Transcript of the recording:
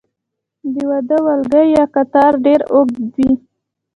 د واده ولکۍ یا قطار ډیر اوږد وي.